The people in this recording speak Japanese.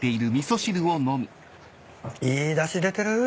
いいだし出てる。